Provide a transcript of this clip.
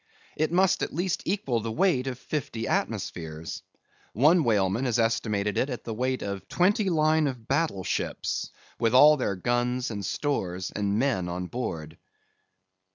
It must at least equal the weight of fifty atmospheres. One whaleman has estimated it at the weight of twenty line of battle ships, with all their guns, and stores, and men on board.